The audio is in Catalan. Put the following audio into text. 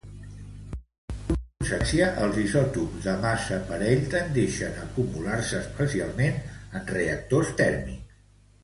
En conseqüència, els isòtops de massa parell tendeixen a acumular-se, especialment en reactors tèrmics.